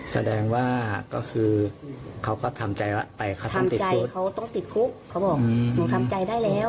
แสดงว่าก็คือเขาก็ทำใจว่าไปเขาทำติดใจเขาต้องติดคุกเขาบอกหนูทำใจได้แล้ว